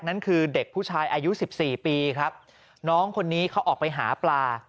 นั่นคือเด็กผู้ชายอายุสิบสี่ปีครับน้องคนนี้เขาออกไปหาปลา